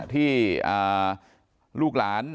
ที่ลูกหลาน